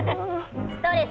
ストレス